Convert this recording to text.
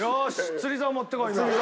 釣り竿持ってこい今！